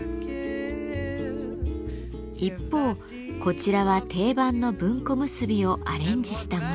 一方こちらは定番の文庫結びをアレンジしたもの。